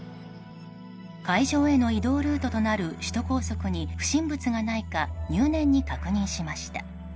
会場への移動ルートとなる首都高速に不審物がないか入念に確認しました。